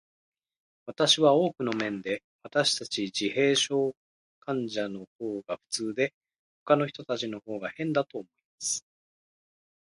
私は、多くの面で、私たち自閉症者のほうが普通で、ほかの人たちのほうが変だと思います。